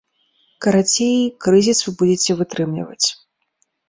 Карацей, крызіс вы будзеце вытрымліваць.